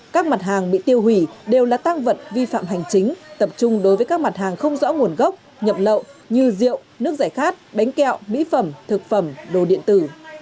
các mặt hàng bị tiêu hủy đều là tăng vật vi phạm hành chính tập trung đối với các mặt hàng không rõ nguồn gốc nhập lậu như rượu nước giải khát bánh kẹo mỹ phẩm thực phẩm đồ điện tử